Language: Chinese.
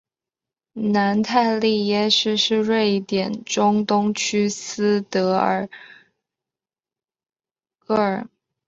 南泰利耶市是瑞典中东部斯德哥尔摩省的一个自治市。